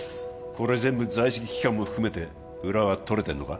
これ全部在籍期間も含めて裏はとれてるのか？